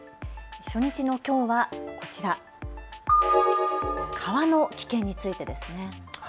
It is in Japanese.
初日のきょうはこちら、川の危険についてです。